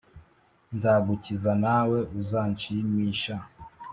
, Nzagukiza nawe uzanshimisha.